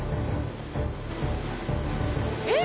えっ！